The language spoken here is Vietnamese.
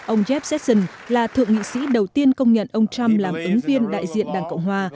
ông jav sestson là thượng nghị sĩ đầu tiên công nhận ông trump làm ứng viên đại diện đảng cộng hòa